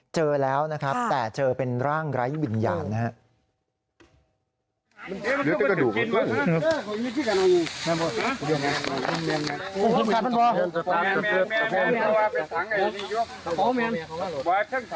เจอแล้วนะครับแต่เจอเป็นร่างไร้วิญญาณนะครับ